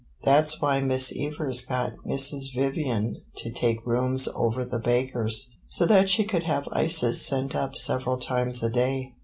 "That 's why Miss Evers got Mrs. Vivian to take rooms over the baker's so that she could have ices sent up several times a day.